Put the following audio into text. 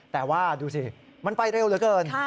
แต่ว่าดูสิมันไปเร็วเหลือเกิน